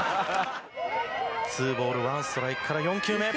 ツーボールワンストライクから４球目。